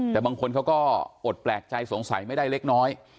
แต่บางคนเขาก็อดแปลกใจสงสัยไม่ได้เล็กน้อย